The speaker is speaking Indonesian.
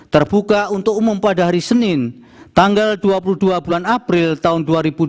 terbuka untuk umum pada hari senin tanggal dua puluh dua bulan april tahun dua ribu dua puluh